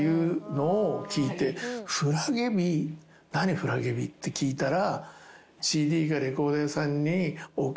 フラゲ日って聞いたら。